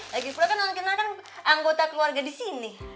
lagipula kan noon kinar kan anggota keluarga di sini